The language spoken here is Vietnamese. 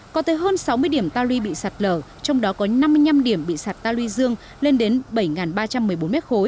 có tới hơn sáu mươi điểm ta lui bị sạt lở trong đó có năm mươi năm điểm bị sạt ta luy dương lên đến bảy ba trăm một mươi bốn m ba